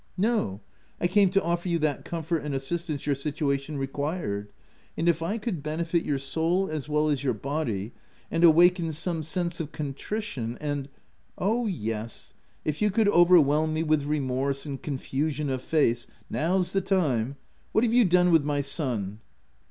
'*" No ; I came to offer you that comfort and assistance your situation required; and if I could benefit your soul as well as your body, and awaken some sense of contrition and "" Oh, yes ; if you could overwhelm me with remorse and confusion of face, now's the time. What have you done with my son?"